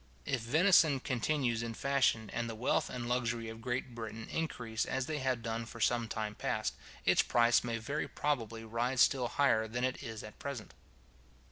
If venison continues in fashion, and the wealth and luxury of Great Britain increase as they have done for some time past, its price may very probably rise still higher than it is at present.